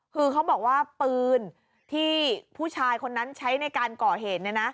คือเขาบอกว่าปืนที่ผู้ชายคนนั้นใช้ในการก่อเหตุเนี่ยนะ